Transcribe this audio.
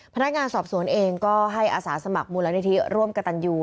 พนักงานสอบสวนเองก็ให้อาสาสมัครมูลนิธิร่วมกระตันยู